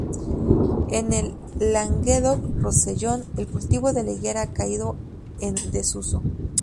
En el Languedoc-Rosellón, el cultivo de la higuera ha caído en desuso.